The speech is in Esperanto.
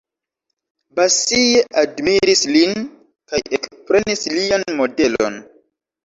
Basie admiris lin kaj ekprenis lian modelon.